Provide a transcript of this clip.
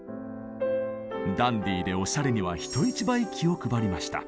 ダンディーでおしゃれには人一倍気を配りました。